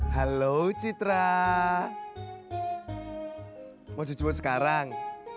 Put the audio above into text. halo cintra mau dicoba sekarang